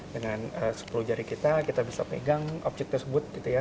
dengan sepuluh jari kita kita bisa pegang objek tersebut